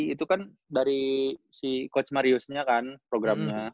itu kan dari si coach mariusnya kan programnya